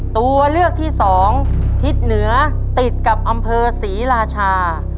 ตัวเลือกที่สองทิศเหนือติดกับอำเภอศรีราชา